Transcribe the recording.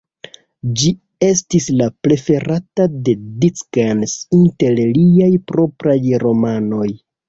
Ĝi estis la preferata de Dickens inter liaj propraj romanoj.